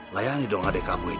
layani dong adik kamu